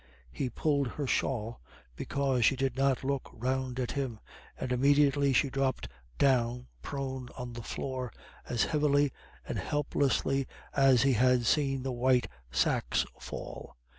He pulled her shawl because she did not look round at him, and immediately she dropped down prone on the floor as heavily and helplessly as he had seen the white sacks fall.